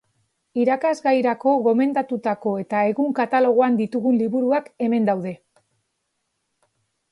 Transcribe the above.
Irakasgairako gomendatutako eta egun katalogoan ditugun liburuak hemen daude.